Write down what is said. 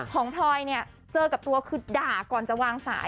พลอยเนี่ยเจอกับตัวคือด่าก่อนจะวางสาย